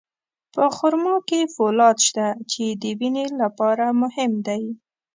په خرما کې فولاد شته، چې د وینې لپاره مهم دی.